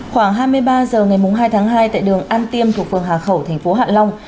khoảng hai mươi ba h ngày hai tháng hai tại đường an tiêm thuộc phường hà khẩu thành phố hạ long